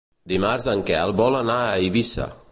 Dimarts en Quel vol anar a Eivissa.